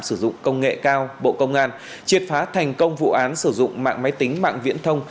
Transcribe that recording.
sử dụng công nghệ cao bộ công an triệt phá thành công vụ án sử dụng mạng máy tính mạng viễn thông